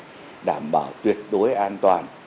để đảm bảo tuyệt đối an toàn